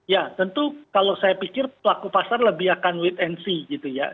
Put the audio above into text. ya tentu kalau saya pikir pelaku pasar lebih akan wait and see gitu ya